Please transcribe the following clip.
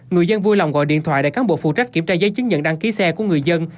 người dân vui lòng gọi điện thoại để cán bộ phụ trách kiểm tra giấy chứng nhận đăng ký xe của người dân